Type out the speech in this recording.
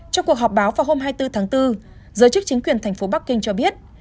trong cuộc họp báo vào hôm hai mươi bốn tháng bốn giới chức chính quyền thành phố bắc kinh cho biết